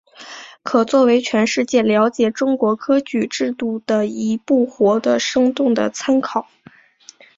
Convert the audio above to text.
可作为全世界了解中国科举制度的一部活的生动的参考。